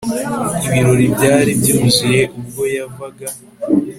Ibirori byari byuzuye ubwo yavaga